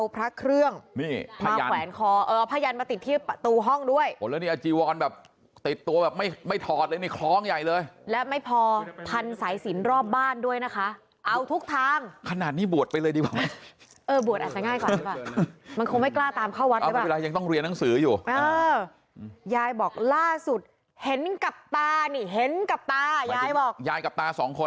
ไปทำบุญอ่าก็ไม่ดีขึ้นค่ะแย่บอกล่าสุดผีหันมากระตุก